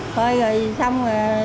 phơi rồi xong